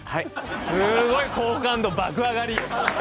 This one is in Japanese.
すごい好感度爆上がり。